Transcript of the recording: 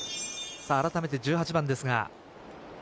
改めて１８番ですが。